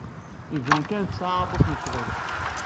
Iban kan tesɛa aṭas n ccɣel.